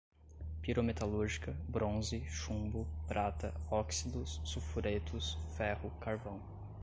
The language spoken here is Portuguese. pirometalúrgica, bronze, chumbo, prata, óxidos, sulfuretos, ferro, carvão